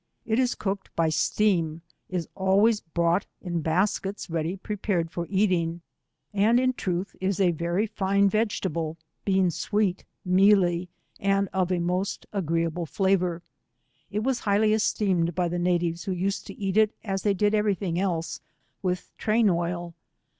It is cooked by steam, is always brought in baskets ready prepared for eating, and is in truth a very fiue vegetable, being 8we?t, mealy and of a most agreeable flavour. It was highly esteemed by the natives who used to eat it as they did every thing else with train oil.